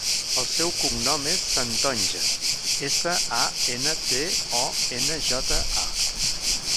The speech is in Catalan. El seu cognom és Santonja: essa, a, ena, te, o, ena, jota, a.